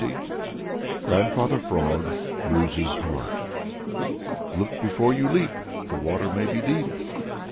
XX GRANDFATHER FROG LOSES HEART Look before you leap; The water may be deep.